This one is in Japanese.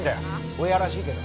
ボヤらしいけど。